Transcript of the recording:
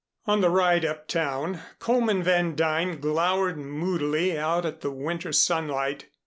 On the ride uptown Coleman Van Duyn glowered moodily out at the winter sunlight.